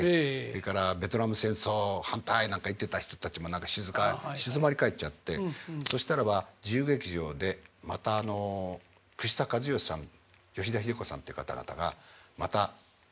それから「ベトナム戦争反対！」なんか言ってた人たちも静かに静まり返っちゃってそしたらば自由劇場でまた串田和美さん吉田日出子さんって方々がまた芝居を始めるっていう。